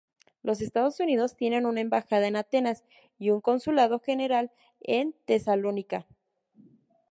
Los Estados Unidos tienen una embajada en Atenas y un consulado general en Tesalónica.